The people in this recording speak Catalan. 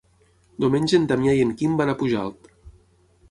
Diumenge en Damià i en Quim van a Pujalt.